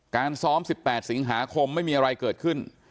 ซ้อม๑๘สิงหาคมไม่มีอะไรเกิดขึ้น